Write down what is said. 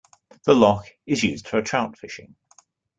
The loch is used for trout fishing.